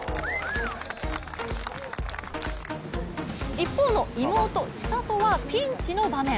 一方の妹・千怜はピンチの場面。